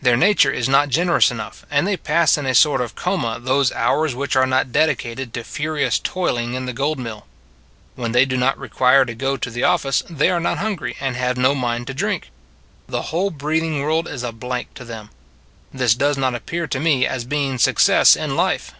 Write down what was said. Their nature is not generous enough, and they pass in a sort of coma those hours which are not dedicated to furious moiling in the gold mill. When they do not require to 66 It s a Good Old World go to the office, they are not hungry and have no mind to drink; the whole breathing world is a blank to them. This does not appear to me as being Success in Life.